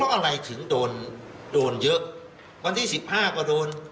เพราะอะไรถึงโดนเยอะวันที่๑๕ก็โดน